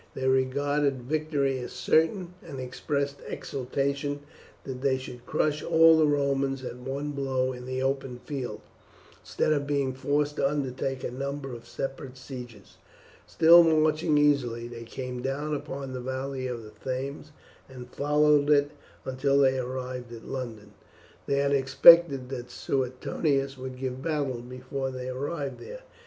They regarded victory as certain, and expressed exultation that they should crush all the Romans at one blow in the open field, instead of being forced to undertake a number of separate sieges. Still marching easily, they came down upon the valley of the Thames and followed it until they arrived at London. They had expected that Suetonius would give battle before they arrived there.